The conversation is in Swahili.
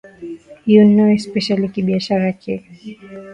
you know especially kibiashara ki